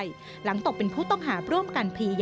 ทำไมเราต้องเป็นแบบเสียเงินอะไรขนาดนี้เวรกรรมอะไรนักหนา